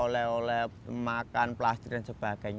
sampah plastik ke kota